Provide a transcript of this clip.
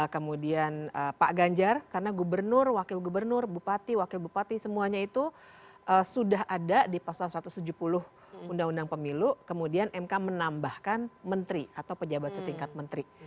kemudian pak ganjar karena gubernur wakil gubernur bupati wakil bupati semuanya itu sudah ada di pasal satu ratus tujuh puluh undang undang pemilu kemudian mk menambahkan menteri atau pejabat setingkat menteri